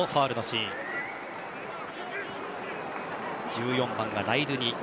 １４番、ライドゥニ。